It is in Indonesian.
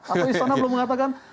atau istana belum mengatakan